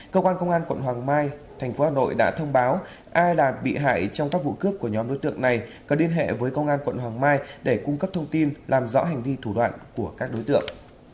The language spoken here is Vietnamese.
cơ quan công an quận hoàng mai thành phố hà nội đã thông báo ai là bị hại trong các vụ cướp của nhóm đối tượng này có liên hệ với công an quận hoàng mai để cung cấp thông tin làm rõ hành vi thủ đoạn của các đối tượng